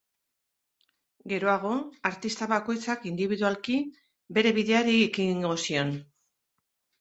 Geroago, artista bakoitzak indibidualki bere bideari ekingo zion.